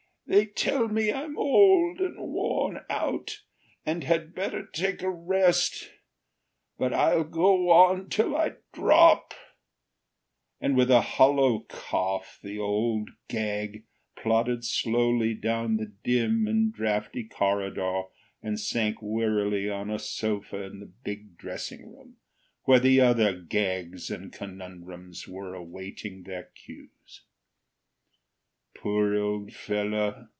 They tell me I'm old and worn out and had better take a rest, but I'll go on till I drop," and with a hollow cough the Old Gag plodded slowly down the dim and drafty corridor and sank wearily on a sofa in the big dressing room, where the other Gags and Conundrums were awaiting their cues.[Pg 570] "Poor old fellow!"